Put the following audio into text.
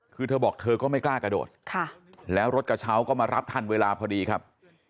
คือเธอบอกเธอก็ไม่กล้ากระโดดแล้วรถกระเช้าก็มารับทันเวลาพอดีครับ